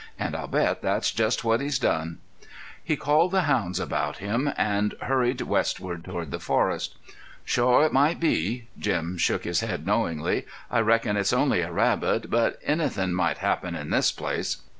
"And I'll bet that's just what he's done." He called the hounds about him and hurried westward through the forest. "Shore, it might be." Jim shook his head knowingly. "I reckon it's only a rabbit, but anythin' might happen in this place."